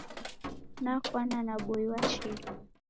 Nakwana na boi wa chilu.